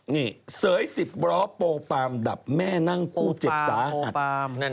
นี่เสย๑๐ล้อโปรปามดับแม่นั่งคู่เจ็บสาหัส